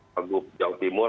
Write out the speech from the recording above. pegu jawa timur